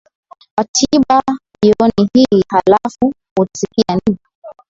watiba jioni hii halafu utasikia nini